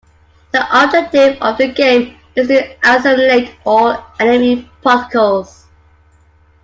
The objective of the game is to assimilate all enemy particles.